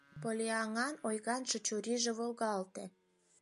Поллианнан ойгаҥше чурийже волгалте: